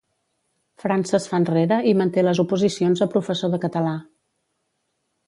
França es fa enrere i manté les oposicions a professor de català.